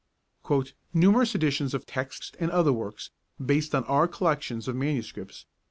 'Numerous editions of texts and other works based on our collections of MSS.